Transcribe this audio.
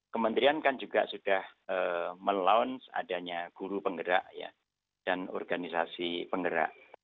kementerian kan juga sudah meluunce adanya guru penggerak dan organisasi penggerak